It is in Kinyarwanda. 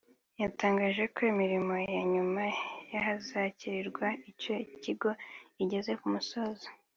yatangaje ko imirimo ya nyuma y’ahazakirirwa icyo kigo igeze ku musozo